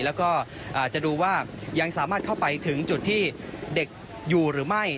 แล้วก็จะดูว่ายังสามารถเข้าไปถึงจุดที่เด็กอยู่หรือไม่